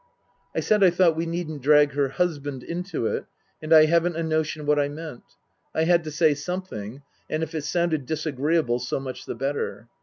I said I thought we needn't drag her husband into it, and I haven't a notion what I meant. I had to say some thing, and if it sounded disagreeable, so much the better.